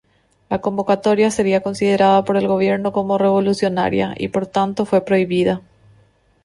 La convocatoria sería considerada por el Gobierno como revolucionaria y, por tanto, fue prohibida.